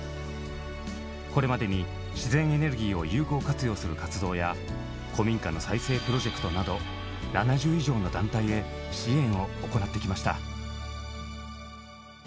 これまでに自然エネルギーを有効活用する活動や古民家の再生プロジェクトなど７０以上の団体へ支援を行ってきました。